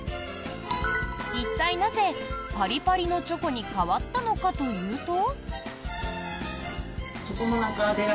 一体なぜ、パリパリのチョコに変わったのかというと。